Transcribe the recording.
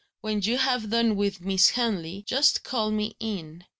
When you have done with Miss Henley, just call me in.